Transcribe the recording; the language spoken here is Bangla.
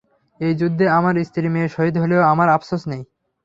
এই যুদ্ধে আমার স্ত্রী-মেয়ে শহীদ হলেও আমার আফসোস নেই।